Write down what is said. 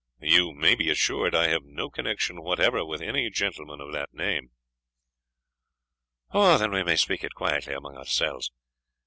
"You may be assured I have no connection whatever with any gentleman of the name." "Ou, than we may speak it quietly amang oursells.